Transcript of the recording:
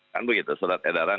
kan begitu surat edaran